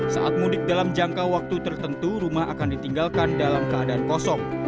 saat mudik dalam jangka waktu tertentu rumah akan ditinggalkan dalam keadaan kosong